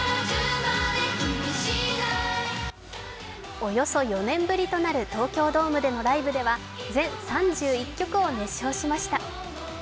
およそ４年ぶりとなる東京ドームでのライブでは全３１曲を熱唱しました。